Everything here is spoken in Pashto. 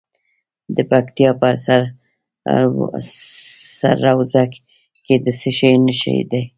د پکتیکا په سروضه کې د څه شي نښې دي؟